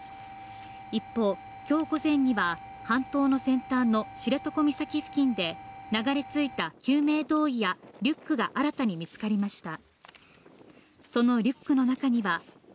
一方、今日午前には半島の先端の知床岬付近で流れ着いた救命胴衣やリュックが新たに見つかりました。